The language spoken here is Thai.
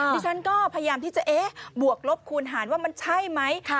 ดิฉันก็พยายามที่จะเอ๊ะบวกลบคูณหารว่ามันใช่ไหม